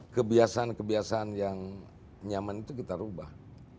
kebiasaan kebiasaan yang nyaman itu kita ubah